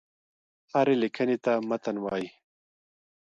هري ليکني ته متن وايي.